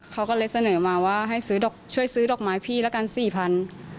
เขาก็เลยเสนอมาว่าช่วยซื้อดอกไม้พี่ละกัน๔๐๐๐